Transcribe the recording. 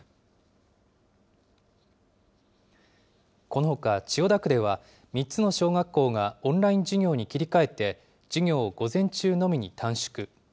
このほか、千代田区では、３つの小学校がオンライン授業に切り替えて、授業を午前中のみに短縮。